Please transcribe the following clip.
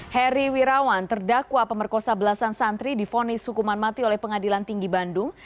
heri wirawan terdakwa pemerkosa belasan santri difonis hukuman mati oleh pengadilan tinggi bandung